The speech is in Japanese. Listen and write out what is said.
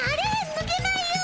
ぬけないよ。